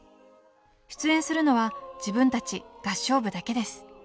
出演するのは自分たち合唱部だけです。